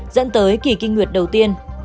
dẫn tới kỳ kinh nguyệt đầu tiên